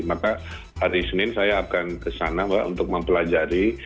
maka hari senin saya akan kesana untuk mempelajari